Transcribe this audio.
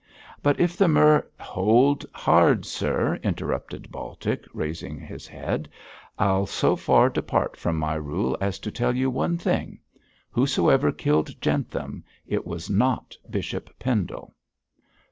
'But if the mur ' 'Hold hard, sir!' interrupted Baltic, raising his head. 'I'll so far depart from my rule as to tell you one thing whosoever killed Jentham, it was not Bishop Pendle.'